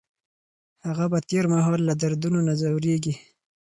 هغه به د تېر مهال له دردونو نه ځوریږي.